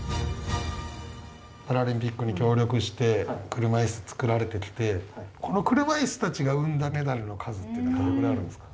パラリンピックに協力して車いす作られてきてこの車いすたちが生んだメダルの数っていうのはどれぐらいあるんですか？